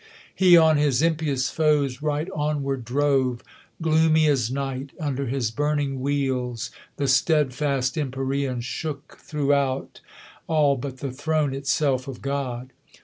Mc on his impious foes right onv/ard drove, tUioomy as night ; under his burning wheels The stedfast empyrean shook throughout, All but the throne itself of God.